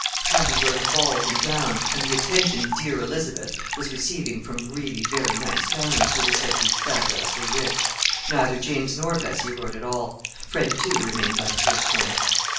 Hattie wrote of balls and gowns and the attention "dear Elizabeth" was receiving from some really very nice families who were said to be fabulously rich. Neither James nor Bessie wrote at all. Fred, too, remained unheard from.